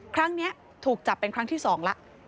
ครั้งนี้ถูกจับเป็นครั้งที่๒แล้ว